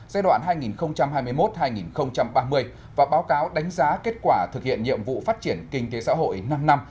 giai đoạn hai nghìn hai mươi một hai nghìn ba mươi và báo cáo đánh giá kết quả thực hiện nhiệm vụ phát triển kinh tế xã hội năm năm